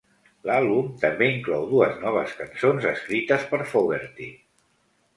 L'àlbum també inclou dues noves cançons escrites per Fogerty.